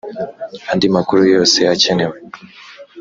Andi makuru yose akenewe